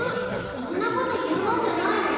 そんなこと言うもんじゃないわ。